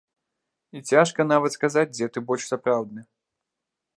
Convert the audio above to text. І цяжка нават сказаць дзе ты больш сапраўдны.